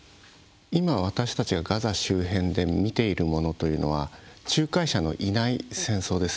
今、私たちがガザ周辺で見ているものというのは仲介者のいない戦争です。